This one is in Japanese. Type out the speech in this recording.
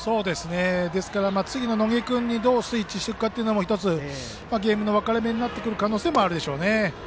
ですから、次の野下君にどうスイッチしていくかも１つ、ゲームの分かれ目になる可能性もあるでしょうね。